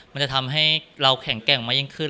มันจะทำให้เราแข็งแกร่งมากยิ่งขึ้น